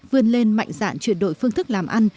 vươn lên mạnh dạn chuyển đổi phương thức làm ăn